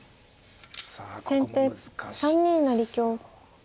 さあここも難しいですよ。